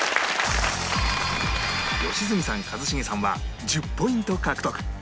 良純さん一茂さんは１０ポイント獲得